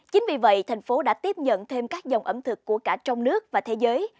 chính vì vậy thành phố đã tiếp nhận thêm các dòng ẩm thực của cả trong nước và thế giới